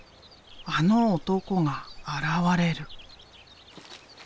あの男が現れる。